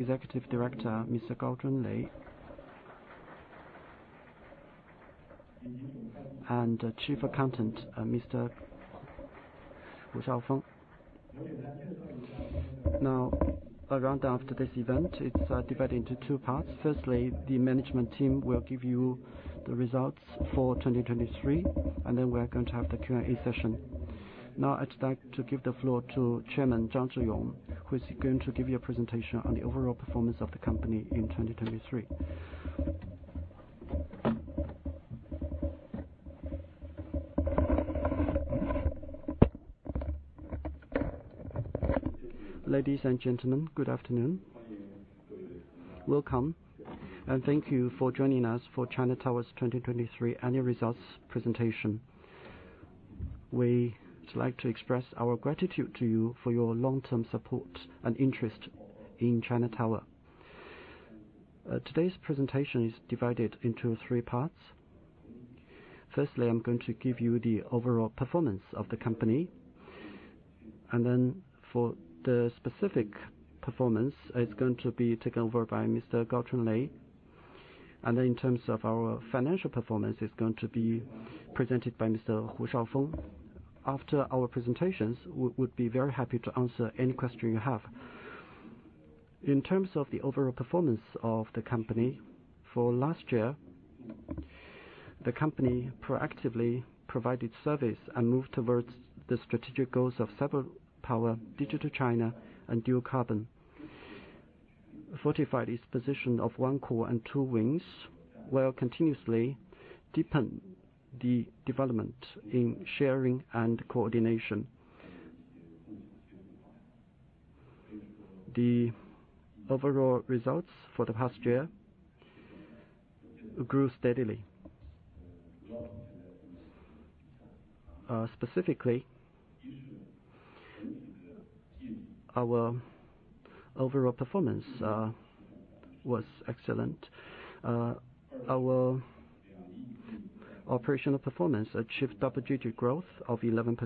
Executive Director, Mr. Gao Chunlei, and Chief Accountant, Mr. Hu Shaofeng. Now, around after this event, it's divided into two parts. Firstly, the management team will give you the results for 2023, and then we're going to have the Q&A session. Now, I'd like to give the floor to Chairman Zhang Zhiyong, who's going to give you a presentation on the overall performance of the company in 2023. Ladies and gentlemen, good afternoon. Welcome, and thank you for joining us for China Tower's 2023 Annual Results presentation. We'd like to express our gratitude to you for your long-term support and interest in China Tower. Today's presentation is divided into three parts. Firstly, I'm going to give you the overall performance of the company, and then for the specific performance, it's going to be taken over by Mr. Gao Chunlei. Then in terms of our financial performance, it's going to be presented by Mr. Hu Shaofeng. After our presentations, we would be very happy to answer any question you have. In terms of the overall performance of the company, for last year, the company proactively provided service and moved towards the strategic goals of Cyber Power, Digital China, and Dual Carbon. Fortified its position of one core and two wings, while continuously deepened the development in sharing and coordination. The overall results for the past year grew steadily. Specifically, our overall performance was excellent. Our operational performance achieved double-digit growth of 11%,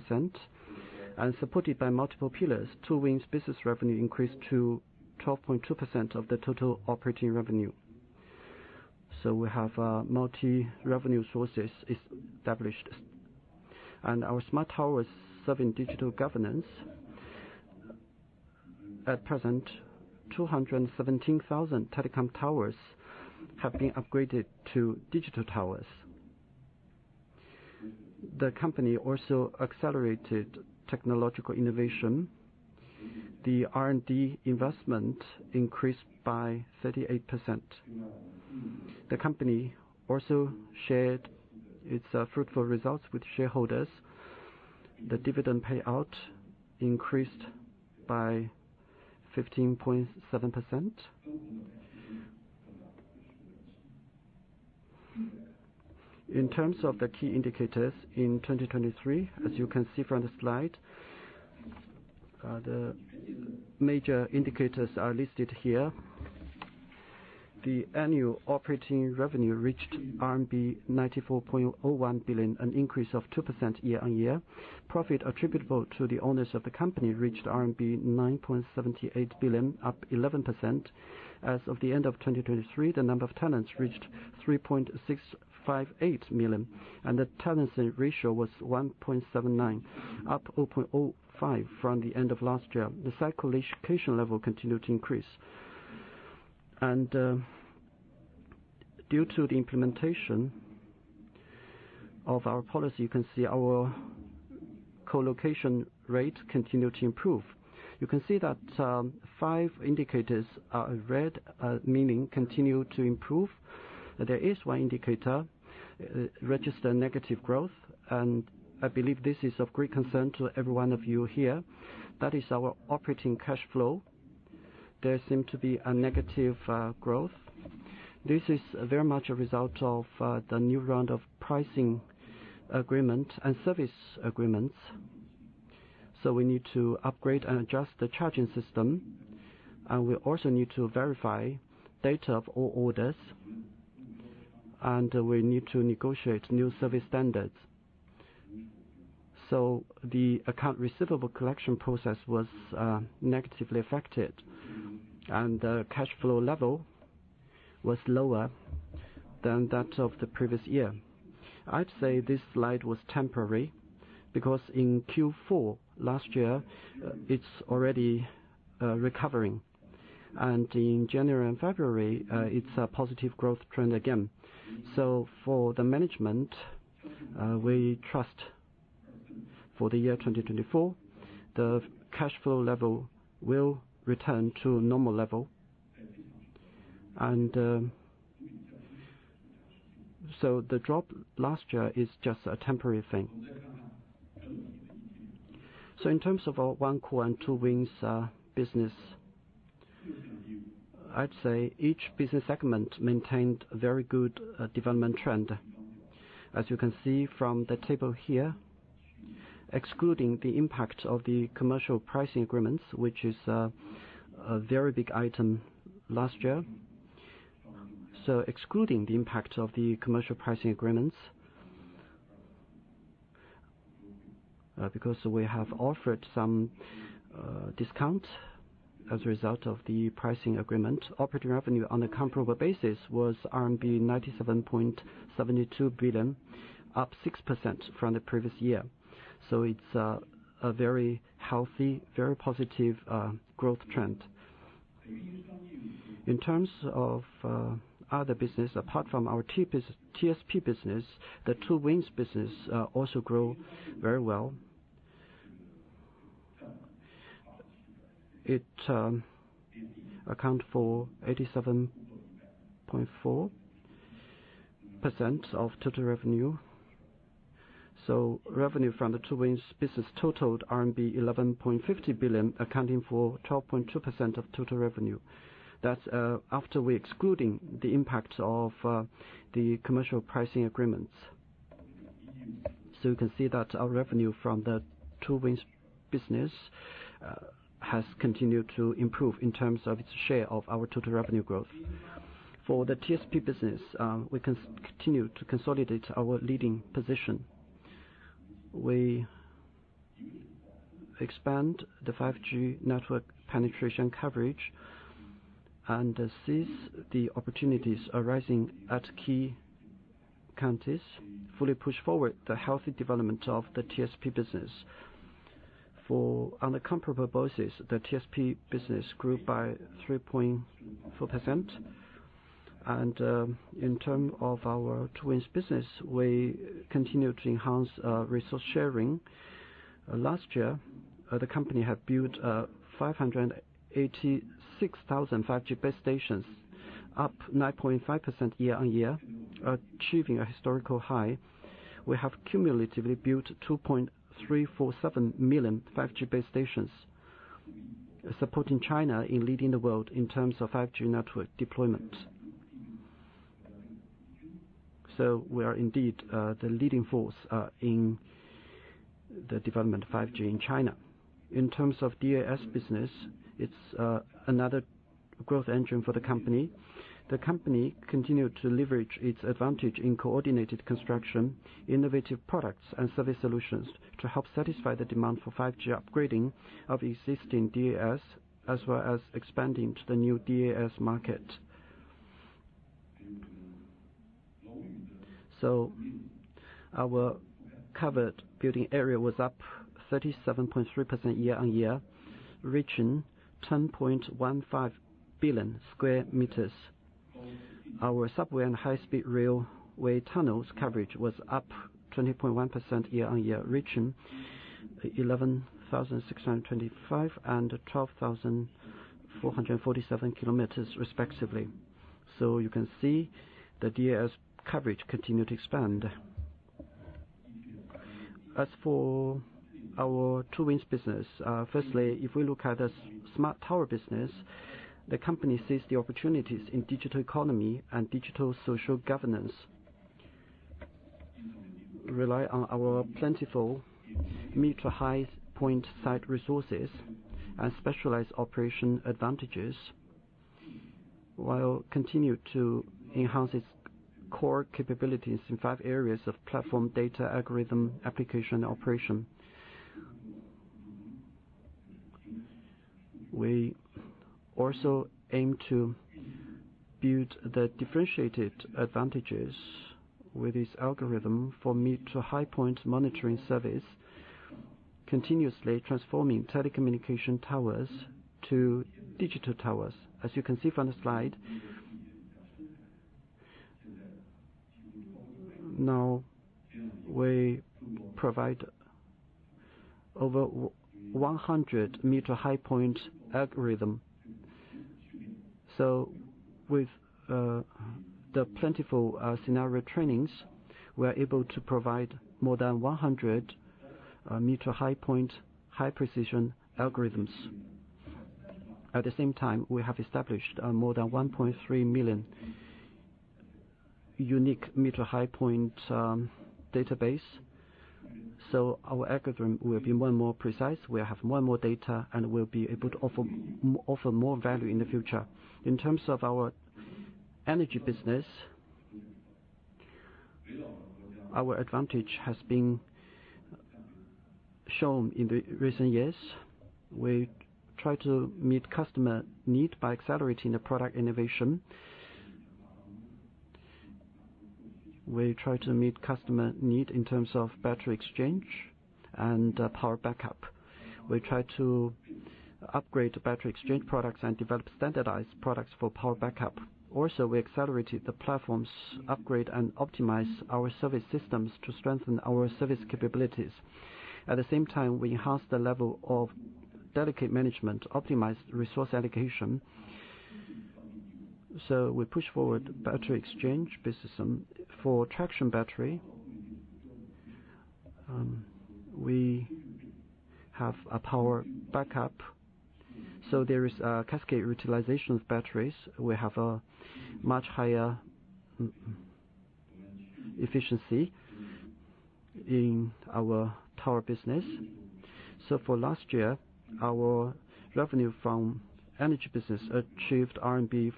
and supported by multiple pillars, two-wings business revenue increased to 12.2% of the total operating revenue. So we have multi-revenue sources established. And our smart towers serving digital governance. At present, 217,000 telecom towers have been upgraded to digital towers. The company also accelerated technological innovation. The R&D investment increased by 38%. The company also shared its fruitful results with shareholders. The dividend payout increased by 15.7%. In terms of the key indicators in 2023, as you can see from the slide, the major indicators are listed here. The annual operating revenue reached RMB 94.01 billion, an increase of 2% year-over-year. Profit attributable to the owners of the company reached RMB 9.78 billion, up 11%. As of the end of 2023, the number of tenants reached 3.658 million, and the tenancy ratio was 1.79, up 0.05 from the end of last year. The cycle co-location level continued to increase. Due to the implementation of our policy, you can see our collocation rate continued to improve. You can see that five indicators are red, meaning continue to improve. There is one indicator, registered negative growth, and I believe this is of great concern to every one of you here. That is our operating cash flow. There seemed to be a negative growth. This is very much a result of the new round of pricing agreement and service agreements. So we need to upgrade and adjust the charging system, and we also need to verify data of all orders, and we need to negotiate new service standards. So the account receivable collection process was negatively affected, and the cash flow level was lower than that of the previous year. I'd say this slide was temporary because in Q4 last year, it's already recovering. In January and February, it's a positive growth trend again. For the management, we trust for the year 2024, the cash flow level will return to normal level. The drop last year is just a temporary thing. In terms of our one core and two wings business, I'd say each business segment maintained a very good development trend, as you can see from the table here, excluding the impact of the commercial pricing agreements, which is a very big item last year. Excluding the impact of the commercial pricing agreements because we have offered some discount as a result of the pricing agreement, operating revenue on a comparable basis was RMB 97.72 billion, up 6% from the previous year. It's a very healthy, very positive growth trend. In terms of other business, apart from our TSP business, the two-wings business also grew very well. It accounts for 87.4% of total revenue. Revenue from the two-wings business totaled RMB 11.50 billion, accounting for 12.2% of total revenue. That's after we excluding the impact of the commercial pricing agreements. So you can see that our revenue from the Two Wings business has continued to improve in terms of its share of our total revenue growth. For the TSP business, we continue to consolidate our leading position. We expand the 5G network penetration coverage and seize the opportunities arising at key counties, fully push forward the healthy development of the TSP business. On a comparable basis, the TSP business grew by 3.4%. In terms of our Two Wings business, we continue to enhance resource sharing. Last year, the company had built 586,000 5G base stations, up 9.5% year-over-year, achieving a historical high. We have cumulatively built 2.347 million 5G base stations, supporting China in leading the world in terms of 5G network deployment. So we are indeed the leading force in the development of 5G in China. In terms of DAS business, it's another growth engine for the company. The company continued to leverage its advantage in coordinated construction, innovative products, and service solutions to help satisfy the demand for 5G upgrading of existing DAS as well as expanding to the new DAS market. So our covered building area was up 37.3% year-on-year, reaching 10.15 billion square meters. Our subway and high-speed railway tunnels coverage was up 20.1% year-on-year, reaching 11,625 and 12,447 kilometers, respectively. So you can see the DAS coverage continued to expand. As for our two-wings business, firstly, if we look at the smart tower business, the company sees the opportunities in digital economy and digital social governance, rely on our plentiful mid to high point site resources and specialized operation advantages, while continuing to enhance its core capabilities in five areas of platform, data, algorithm, application, and operation. We also aim to build the differentiated advantages with this algorithm for mid to high point monitoring service, continuously transforming telecommunications towers to digital towers, as you can see from the slide. Now, we provide over 100 mid to high point algorithms. So with the plentiful scenario trainings, we are able to provide more than 100 mid to high point high precision algorithms. At the same time, we have established more than 1.3 million unique mid to high point databases. So our algorithm will be more and more precise. We'll have more and more data, and we'll be able to offer more value in the future. In terms of our energy business, our advantage has been shown in the recent years. We try to meet customer needs by accelerating the product innovation. We try to meet customer needs in terms of battery exchange and power backup. We try to upgrade battery exchange products and develop standardized products for power backup. Also, we accelerated the platform's upgrade and optimized our service systems to strengthen our service capabilities. At the same time, we enhanced the level of delicate management, optimized resource allocation. So we push forward battery exchange business. For traction battery, we have a power backup. So there is a cascade utilization of batteries. We have a much higher efficiency in our tower business. So for last year, our revenue from energy business achieved RMB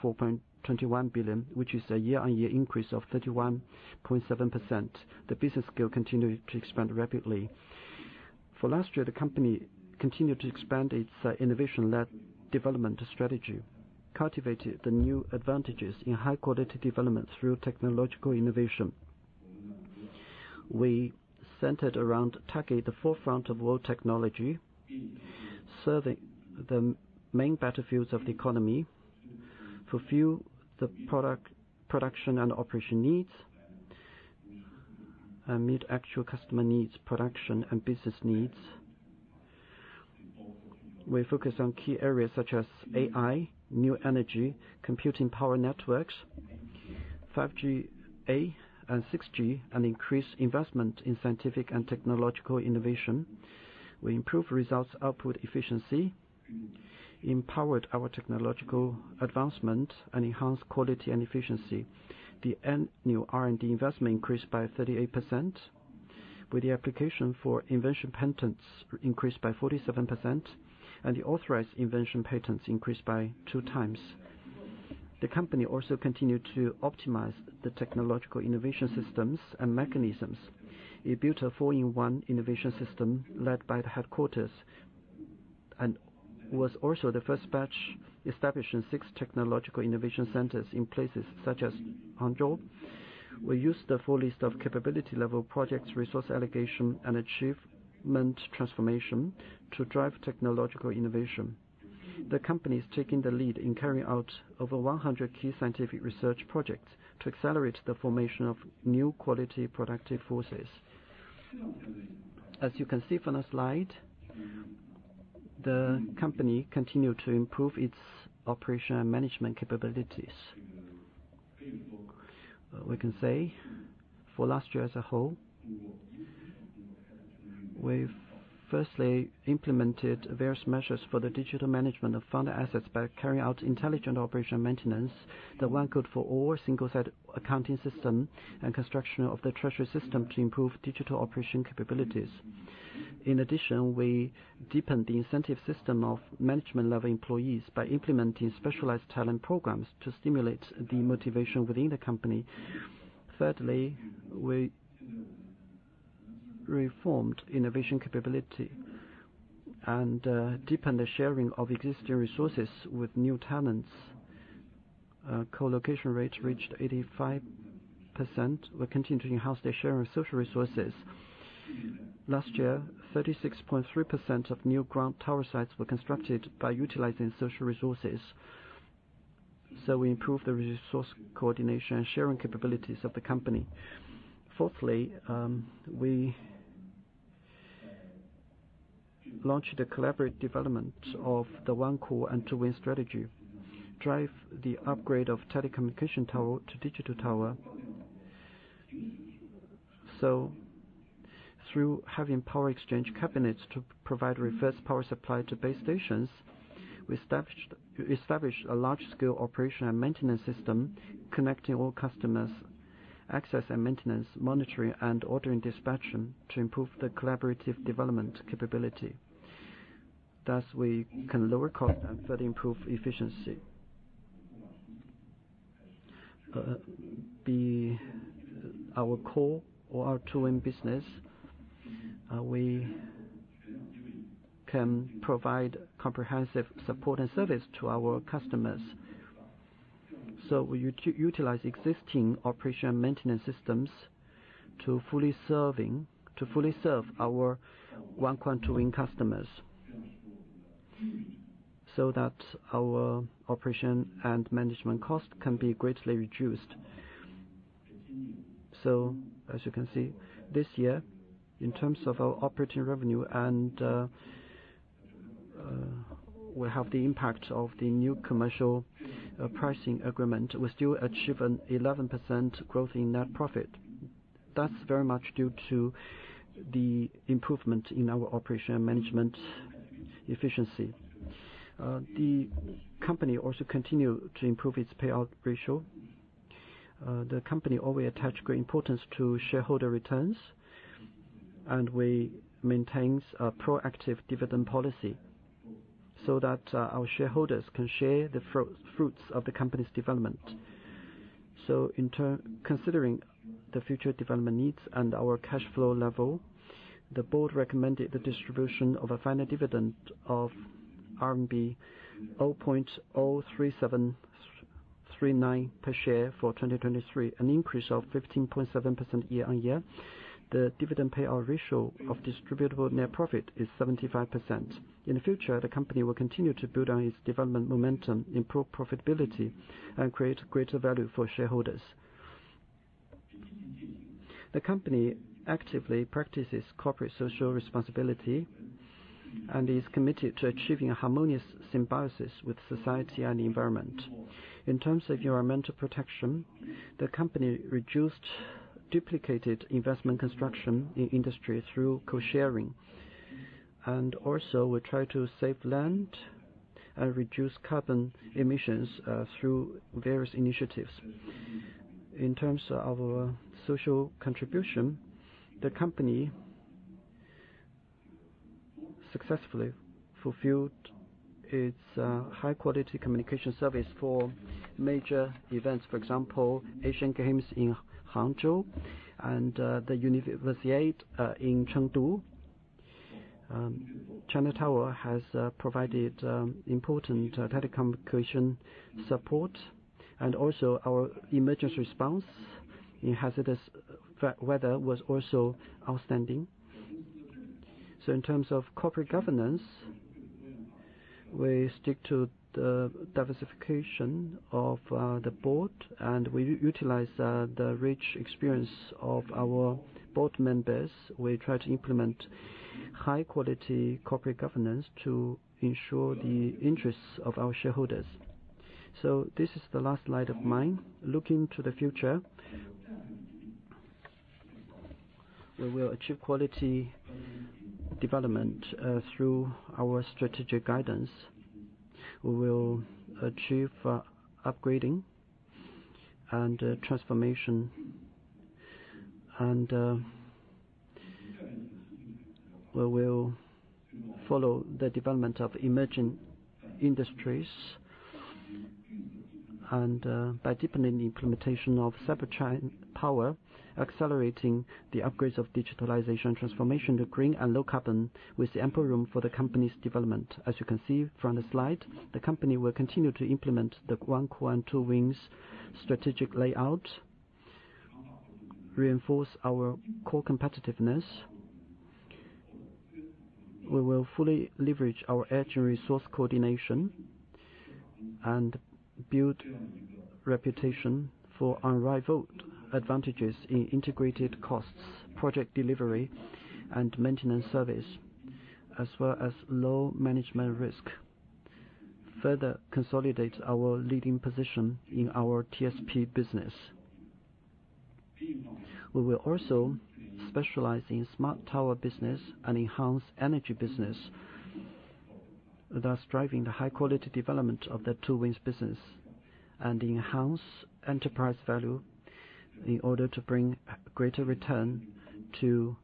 4.21 billion, which is a year-on-year increase of 31.7%. The business scale continued to expand rapidly. For last year, the company continued to expand its innovation-led development strategy, cultivated the new advantages in high-quality development through technological innovation. We centered around targeting the forefront of world technology, serving the main battlefields of the economy, fulfilling the production and operation needs, and meeting actual customer needs, production, and business needs. We focused on key areas such as AI, new energy, computing power networks, 5G-A, and 6G, and increased investment in scientific and technological innovation. We improved results output efficiency, empowered our technological advancement, and enhanced quality and efficiency. The annual R&D investment increased by 38%, with the application for invention patents increased by 47%, and the authorized invention patents increased by 2 times. The company also continued to optimize the technological innovation systems and mechanisms. It built a 4-in-one innovation system led by the headquarters and was also the first batch establishing 6 technological innovation centers in places such as Hangzhou. We used the full list of capability-level projects, resource allocation, and achievement transformation to drive technological innovation. The company is taking the lead in carrying out over 100 key scientific research projects to accelerate the formation of new quality productive forces. As you can see from the slide, the company continued to improve its operation and management capabilities. We can say, for last year as a whole, we firstly implemented various measures for the digital management of fund assets by carrying out intelligent operation maintenance, the one code for all single-site accounting system, and construction of the treasury system to improve digital operation capabilities. In addition, we deepened the incentive system of management-level employees by implementing specialized talent programs to stimulate the motivation within the company. Thirdly, we reformed innovation capability and deepened the sharing of existing resources with new tenants. Collocation rate reached 85%. We continued to enhance the sharing of social resources. Last year, 36.3% of new ground tower sites were constructed by utilizing social resources. So we improved the resource coordination and sharing capabilities of the company. Fourthly, we launched the collaborative development of the One Core and Two Wings strategy, driving the upgrade of telecommunications tower to Digital Tower. So through having power exchange cabinets to provide reverse power supply to base stations, we established a large-scale operation and maintenance system connecting all customers, access and maintenance, monitoring, and ordering dispatching to improve the collaborative development capability. Thus, we can lower costs and further improve efficiency. Our core or our Two Wings business, we can provide comprehensive support and service to our customers. So we utilize existing operation and maintenance systems to fully serve our One Core and Two Wings customers so that our operation and management costs can be greatly reduced. So as you can see, this year, in terms of our operating revenue and we have the impact of the new commercial pricing agreement, we still achieve an 11% growth in net profit. That's very much due to the improvement in our operation and management efficiency. The company also continues to improve its payout ratio. The company always attaches great importance to shareholder returns, and we maintain a proactive dividend policy so that our shareholders can share the fruits of the company's development. So considering the future development needs and our cash flow level, the board recommended the distribution of a final dividend of RMB 0.03739 per share for 2023, an increase of 15.7% year-on-year. The dividend payout ratio of distributable net profit is 75%. In the future, the company will continue to build on its development momentum, improve profitability, and create greater value for shareholders. The company actively practices corporate social responsibility and is committed to achieving a harmonious symbiosis with society and the environment. In terms of environmental protection, the company reduced duplicated investment construction in industry through co-sharing. Also, we try to save land and reduce carbon emissions through various initiatives. In terms of our social contribution, the company successfully fulfilled its high-quality communication service for major events, for example, Asian Games in Hangzhou and the Universiade in Chengdu. China Tower has provided important telecommunication support, and also, our emergency response in hazardous weather was also outstanding. In terms of corporate governance, we stick to the diversification of the board, and we utilize the rich experience of our board members. We try to implement high-quality corporate governance to ensure the interests of our shareholders. This is the last slide of mine. Looking to the future, we will achieve quality development through our strategic guidance. We will achieve upgrading and transformation. We will follow the development of emerging industries by deepening the implementation of Cyber Power, accelerating the upgrades of digitalization, transformation to green and low carbon with the ample room for the company's development. As you can see from the slide, the company will continue to implement the One Core and Two Wings strategic layout, reinforce our core competitiveness. We will fully leverage our edge and resource coordination and build reputation for unrivaled advantages in integrated costs, project delivery, and maintenance service, as well as low management risk, further consolidate our leading position in our TSP business. We will also specialize in smart tower business and enhance energy business, thus driving the high-quality development of the two wings business and enhance enterprise value in order to bring greater return to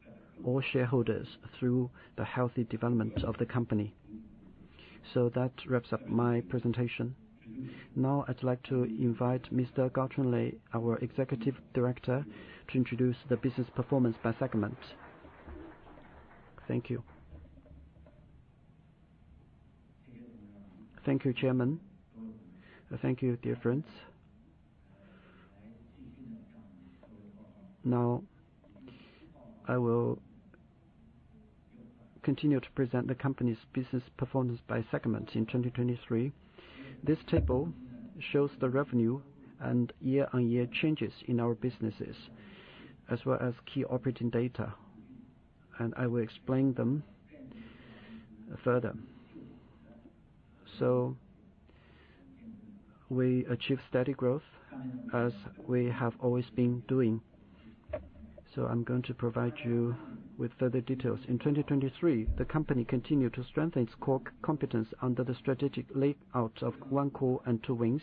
all shareholders through the healthy development of the company. So that wraps up my presentation. Now, I'd like to invite Mr. Gao Chunlei, our Executive Director, to introduce the business performance by segment. Thank you. Thank you, Chairman. Thank you, dear friends. Now, I will continue to present the company's business performance by segments in 2023. This table shows the revenue and year-on-year changes in our businesses, as well as key operating data. I will explain them further. We achieve steady growth as we have always been doing. I'm going to provide you with further details. In 2023, the company continued to strengthen its core competence under the strategic layout of one core and two wings.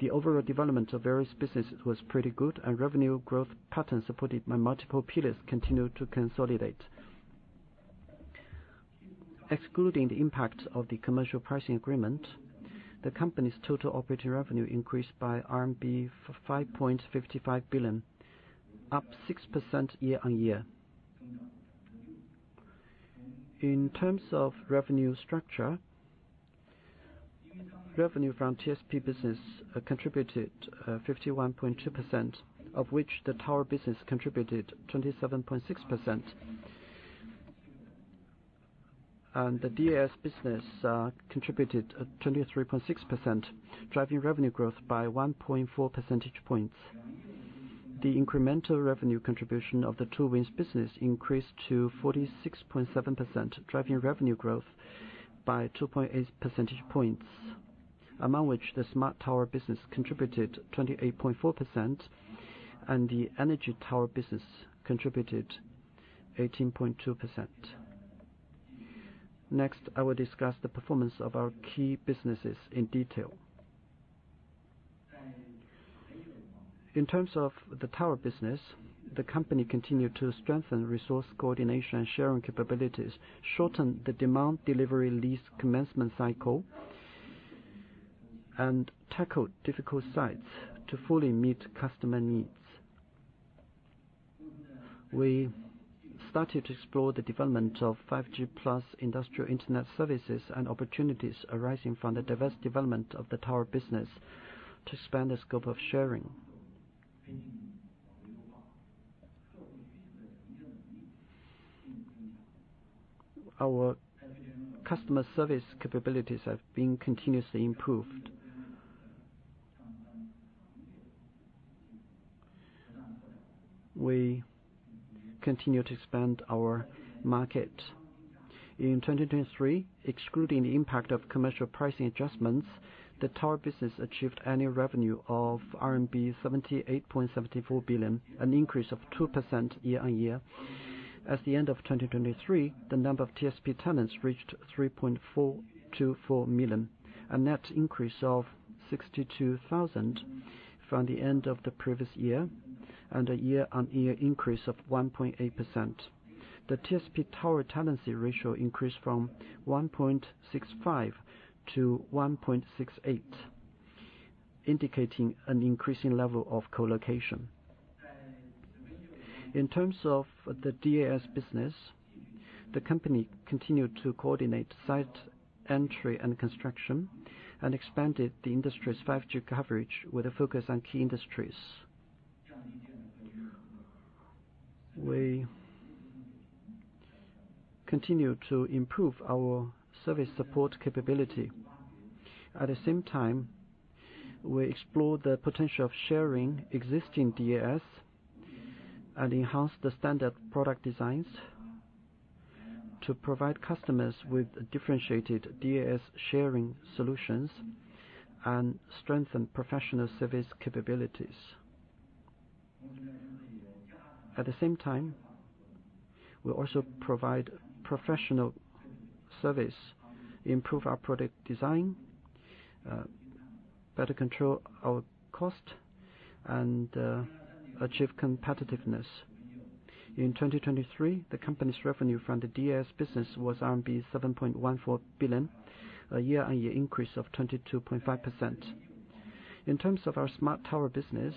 The overall development of various businesses was pretty good, and revenue growth patterns supported by multiple pillars continued to consolidate. Excluding the impact of the commercial pricing agreement, the company's total operating revenue increased by RMB 5.55 billion, up 6% year-on-year. In terms of revenue structure, revenue from TSP business contributed 51.2%, of which the tower business contributed 27.6%. The DAS business contributed 23.6%, driving revenue growth by 1.4 percentage points. The incremental revenue contribution of the two wings business increased to 46.7%, driving revenue growth by 2.8 percentage points, among which the smart tower business contributed 28.4% and the energy tower business contributed 18.2%. Next, I will discuss the performance of our key businesses in detail. In terms of the tower business, the company continued to strengthen resource coordination and sharing capabilities, shortened the demand delivery lease commencement cycle, and tackled difficult sites to fully meet customer needs. We started to explore the development of 5G Plus industrial internet services and opportunities arising from the diverse development of the tower business to expand the scope of sharing. Our customer service capabilities have been continuously improved. We continue to expand our market. In 2023, excluding the impact of commercial pricing adjustments, the tower business achieved annual revenue of RMB 78.74 billion, an increase of 2% year-on-year. At the end of 2023, the number of TSP tenants reached 3.424 million, a net increase of 62,000 from the end of the previous year and a year-on-year increase of 1.8%. The TSP tower tenancy ratio increased from 1.65 to 1.68, indicating an increasing level of collocation. In terms of the DAS business, the company continued to coordinate site entry and construction and expanded the industry's 5G coverage with a focus on key industries. We continue to improve our service support capability. At the same time, we explore the potential of sharing existing DAS and enhance the standard product designs to provide customers with differentiated DAS sharing solutions and strengthen professional service capabilities. At the same time, we also provide professional service, improve our product design, better control our cost, and achieve competitiveness. In 2023, the company's revenue from the DAS business was 7.14 billion, a year-on-year increase of 22.5%. In terms of our smart tower business,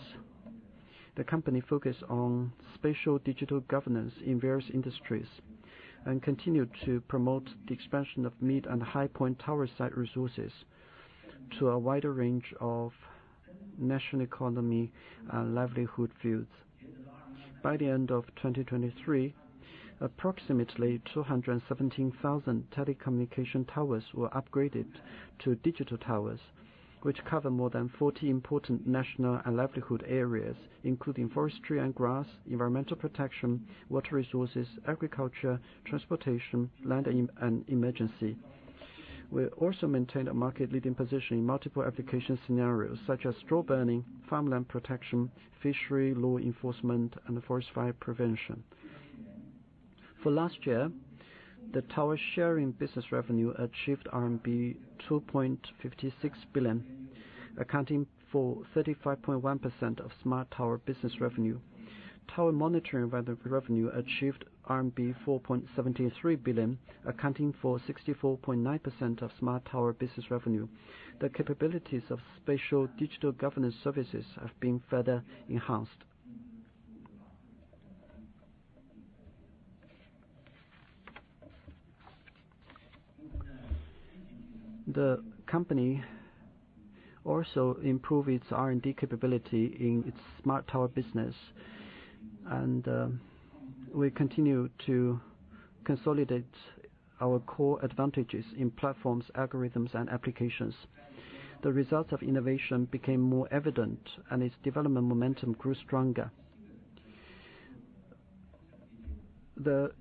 the company focused on spatial digital governance in various industries and continued to promote the expansion of mid and high-point tower site resources to a wider range of national economy and livelihood fields. By the end of 2023, approximately 217,000 telecommunication towers were upgraded to digital towers, which cover more than 40 important national and livelihood areas, including forestry and grass, environmental protection, water resources, agriculture, transportation, land, and emergency. We also maintained a market-leading position in multiple application scenarios, such as straw burning, farmland protection, fishery law enforcement, and forest fire prevention. For last year, the tower sharing business revenue achieved RMB 2.56 billion, accounting for 35.1% of smart tower business revenue. Tower monitoring revenue achieved RMB 4.73 billion, accounting for 64.9% of smart tower business revenue. The capabilities of spatial digital governance services have been further enhanced. The company also improved its R&D capability in its smart tower business, and we continue to consolidate our core advantages in platforms, algorithms, and applications. The results of innovation became more evident, and its development momentum grew stronger. The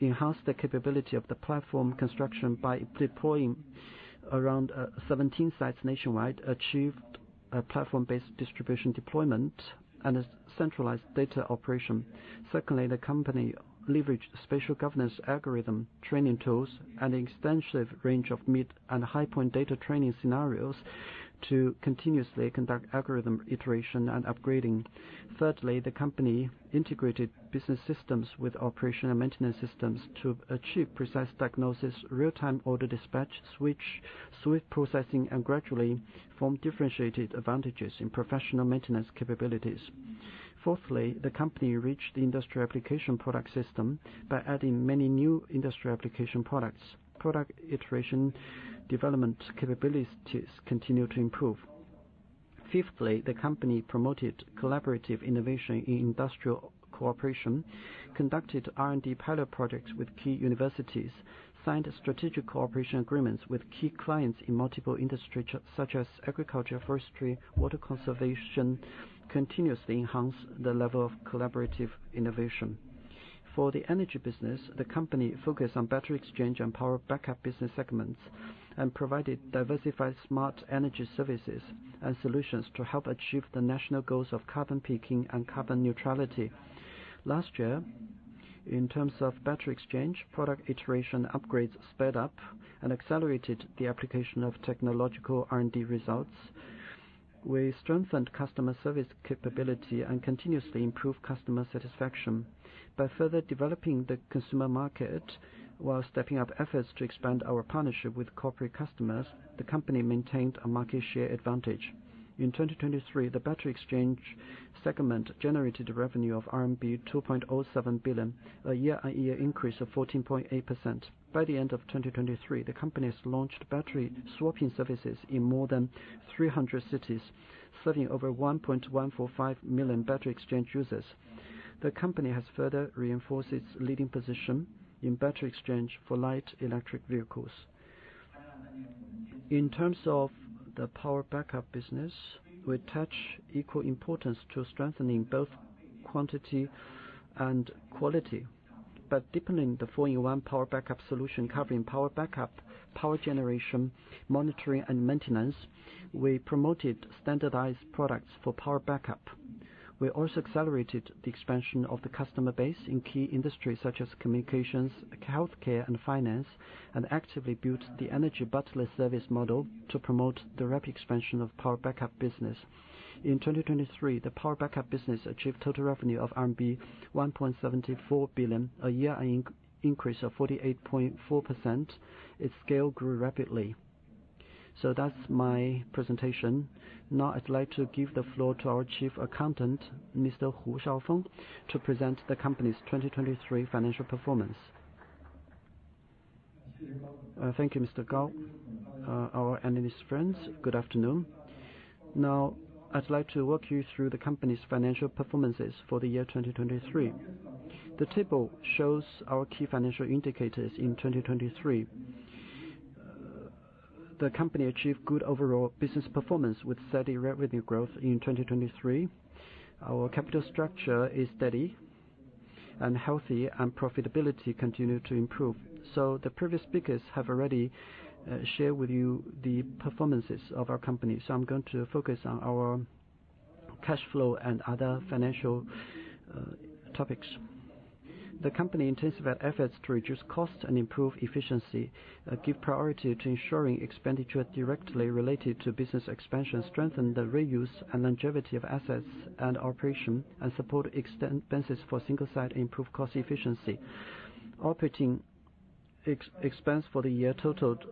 company enhanced the capability of the platform construction by deploying around 17 sites nationwide, achieved a platform-based distribution deployment, and a centralized data operation. Secondly, the company leveraged spatial governance algorithm training tools and an extensive range of mid and high-point data training scenarios to continuously conduct algorithm iteration and upgrading. Thirdly, the company integrated business systems with operation and maintenance systems to achieve precise diagnosis, real-time order dispatch, switch processing, and gradually form differentiated advantages in professional maintenance capabilities. Fourthly, the company reached the industry application product system by adding many new industry application products. Product iteration development capabilities continue to improve. Fifthly, the company promoted collaborative innovation in industrial cooperation, conducted R&D pilot projects with key universities, signed strategic cooperation agreements with key clients in multiple industries, such as agriculture, forestry, water conservation, continuously enhanced the level of collaborative innovation. For the energy business, the company focused on battery exchange and power backup business segments and provided diversified smart energy services and solutions to help achieve the national goals of carbon peaking and carbon neutrality. Last year, in terms of battery exchange, product iteration upgrades sped up and accelerated the application of technological R&D results. We strengthened customer service capability and continuously improved customer satisfaction. By further developing the consumer market while stepping up efforts to expand our partnership with corporate customers, the company maintained a market share advantage. In 2023, the battery exchange segment generated a revenue of RMB 2.07 billion, a year-on-year increase of 14.8%. By the end of 2023, the company has launched battery swapping services in more than 300 cities, serving over 1.145 million battery exchange users. The company has further reinforced its leading position in battery exchange for light electric vehicles. In terms of the power backup business, we attach equal importance to strengthening both quantity and quality. By deepening the four-in-one power backup solution, covering power backup, power generation, monitoring, and maintenance, we promoted standardized products for power backup. We also accelerated the expansion of the customer base in key industries, such as communications, healthcare, and finance, and actively built the Energy Butler service model to promote the rapid expansion of power backup business. In 2023, the power backup business achieved total revenue of RMB 1.74 billion, a year-on-year increase of 48.4%. Its scale grew rapidly. So that's my presentation. Now, I'd like to give the floor to our chief accountant, Mr. Hu Shaofeng, to present the company's 2023 financial performance. Thank you, Mr. Gao. Our analyst friends, good afternoon. Now, I'd like to walk you through the company's financial performances for the year 2023. The table shows our key financial indicators in 2023. The company achieved good overall business performance with steady revenue growth in 2023. Our capital structure is steady and healthy, and profitability continued to improve. The previous speakers have already shared with you the performances of our company. I'm going to focus on our cash flow and other financial topics. The company intensified efforts to reduce costs and improve efficiency, gave priority to ensuring expenditure directly related to business expansion, strengthened the reuse and longevity of assets and operation, and supported expenses for single site and improved cost efficiency. Operating expense for the year totaled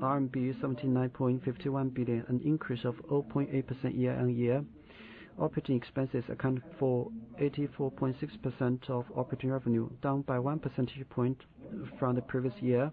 RMB 79.51 billion, an increase of 0.8% year-on-year. Operating expenses account for 84.6% of operating revenue, down by 1 percentage point from the previous year.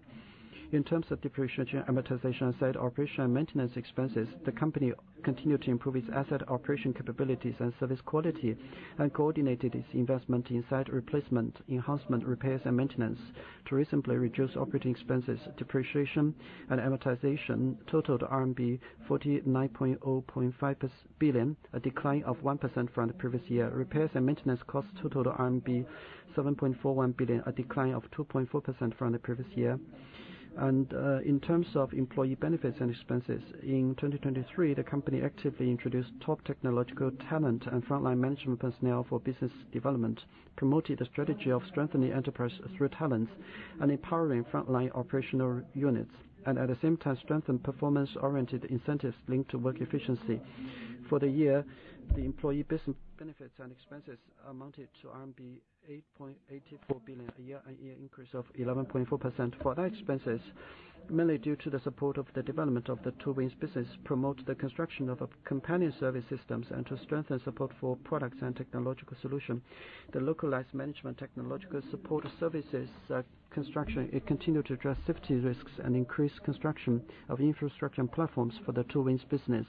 In terms of depreciation, amortization, site operation, and maintenance expenses, the company continued to improve its asset operation capabilities and service quality, and coordinated its investment in site replacement, enhancement, repairs, and maintenance to reasonably reduce operating expenses. Depreciation and amortization totaled RMB 49.05 billion, a decline of 1% from the previous year. Repairs and maintenance cost totaled RMB 7.41 billion, a decline of 2.4% from the previous year. In terms of employee benefits and expenses, in 2023, the company actively introduced top technological talent and frontline management personnel for business development, promoted the strategy of strengthening enterprise through tenants and empowering frontline operational units, and at the same time, strengthened performance-oriented incentives linked to work efficiency. For the year, the employee benefits and expenses amounted to RMB 8.84 billion a year, a year-on-year increase of 11.4%. For other expenses, mainly due to the support of the development of the two wings business, promote the construction of companion service systems and to strengthen support for products and technological solutions. The localized management technological support services construction, it continued to address safety risks and increase construction of infrastructure and platforms for the two wings business.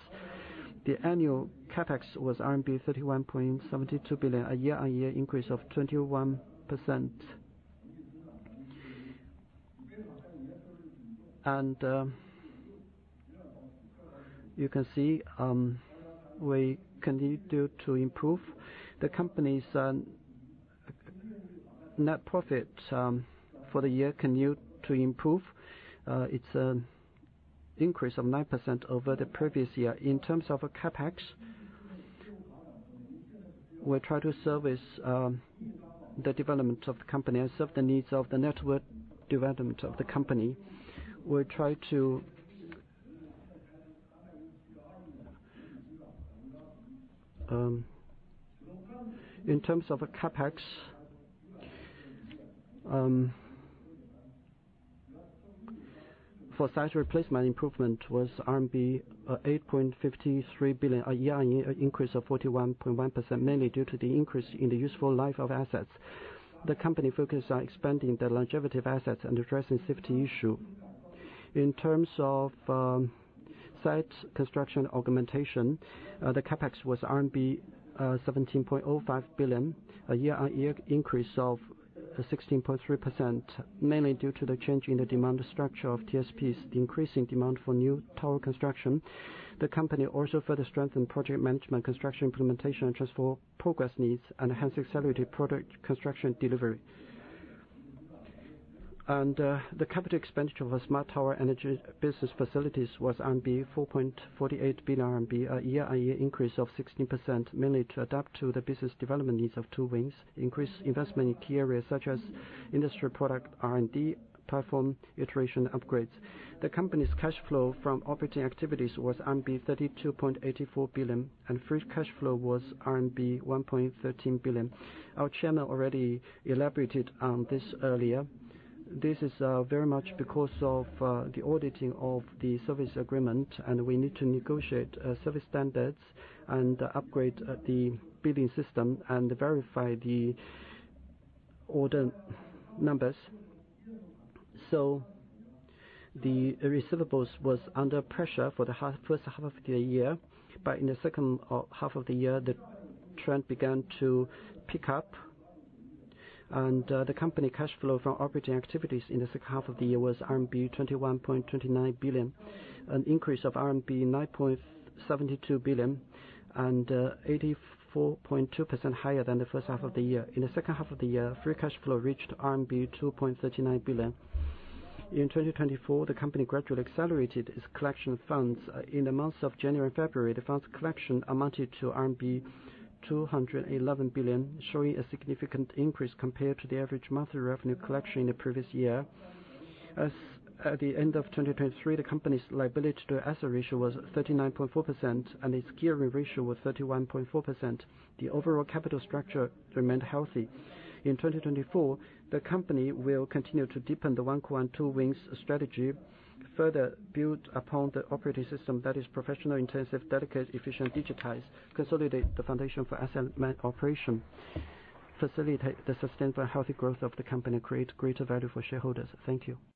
The annual CapEx was RMB 31.72 billion, a year-on-year increase of 21%. You can see we continued to improve. The company's net profit for the year continued to improve. It's an increase of 9% over the previous year. In terms of CapEx, we try to service the development of the company and serve the needs of the network development of the company. We try to in terms of CapEx, for site replacement improvement was 8.53 billion yuan, an increase of 41.1%, mainly due to the increase in the useful life of assets. The company focused on expanding the longevity of assets and addressing safety issues. In terms of site construction augmentation, the CapEx was RMB 17.05 billion, a year-on-year increase of 16.3%, mainly due to the change in the demand structure of TSPs, the increasing demand for new tower construction. The company also further strengthened project management, construction implementation, and transport progress needs, and hence accelerated project construction delivery. The capital expenditure for smart tower energy business facilities was 4.48 billion RMB, a year-on-year increase of 16%, mainly to adapt to the business development needs of two wings, increase investment in key areas such as industry product R&D, platform iteration, and upgrades. The company's cash flow from operating activities was RMB 32.84 billion, and free cash flow was RMB 1.13 billion. Our chairman already elaborated on this earlier. This is very much because of the auditing of the service agreement, and we need to negotiate service standards and upgrade the billing system and verify the order numbers. So the receivables was under pressure for the first half of the year, but in the second half of the year, the trend began to pick up. The company cash flow from operating activities in the second half of the year was RMB 21.29 billion, an increase of CNY 9.72 billion, and 84.2% higher than the first half of the year. In the second half of the year, free cash flow reached RMB 2.39 billion. In 2024, the company gradually accelerated its collection of funds. In the months of January and February, the funds collection amounted to RMB 211 billion, showing a significant increase compared to the average monthly revenue collection in the previous year. At the end of 2023, the company's liability to asset ratio was 39.4%, and its gearing ratio was 31.4%. The overall capital structure remained healthy. In 2024, the company will continue to deepen the one core and two wings strategy, further build upon the operating system that is professional-intensive, dedicated, efficient, digitized, consolidate the foundation for asset management operation, facilitate the sustainable and healthy growth of the company, and create greater value for shareholders. Thank you.